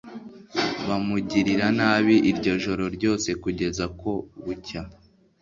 bamugirira nabi iryo joro ryose kugeza ko bucya